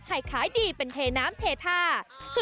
ขายดีเป็นเทน้ำเทท่า